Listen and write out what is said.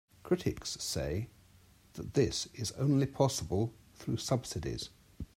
Critics say that this is only possible through subsidies.